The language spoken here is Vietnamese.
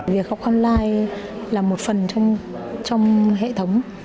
việc học online là một phần trong hệ thống